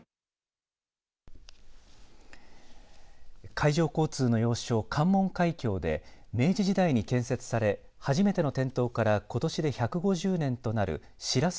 海上交通の要衝、関門海峡で明治時代に建設され初めての点灯からことしで１５０年となる白洲